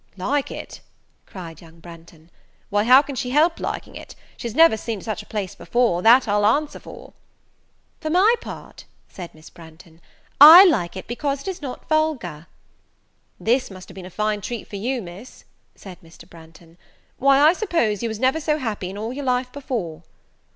"Like it!" cried young Branghton; "why, how can she help liking it? she has never seen such a place before, that I'll answer for." "For my part," said Miss Branghton, "I like it because it is not vulgar." "This must have been a fine treat for you, Miss," said Mr. Branghton; "why, I suppose you was never so happy in all your life before?"